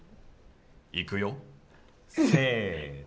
いくよ、せーの。